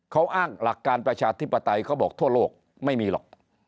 เขาอ้างหลักการประชาธิปไตยเขาบอกทั่วโลกไม่มีหรอก